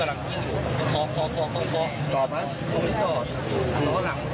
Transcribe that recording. ต่อเราสองตอน